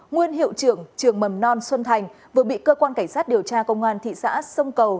nguyên hiệu trưởng trường mầm non xuân thành vừa bị cơ quan cảnh sát điều tra công an thị xã sông cầu